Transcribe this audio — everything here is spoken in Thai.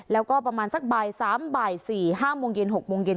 แล้วก็ประมาณสักบ่าย๓บ่าย๔๕โมงเย็น๖โมงเย็น